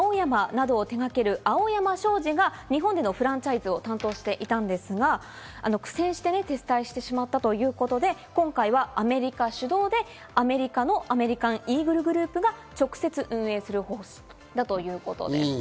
前回は洋服の青山などを手がける、青山商事が日本でのフランチャイズを担当していたんですが、苦戦して撤退してしまったということで、今回はアメリカ主導でアメリカのアメリカンイーグルグループが直接、運営する方針だということです。